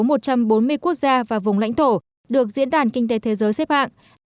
mấy quốc gia và vùng lãnh thổ được diễn đàn kinh tế thế giới xếp hạng